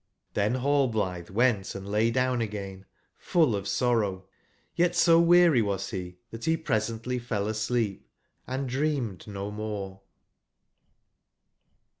XThen Rallblithe went & lay down again full of sorrow : Yet so weary was he that he presently fell asleep, & dreamed no more.